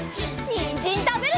にんじんたべるよ！